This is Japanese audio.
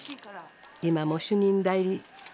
今も主任代理。